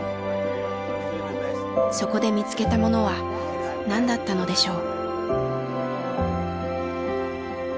そこで見つけたものは何だったのでしょう？